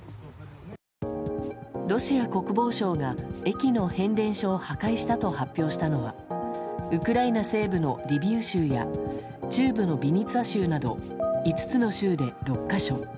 ロシア国防省が、駅の変電所を破壊したと発表したのはウクライナ西部のリビウ州や中部のビニツァ州など５つの州で６か所。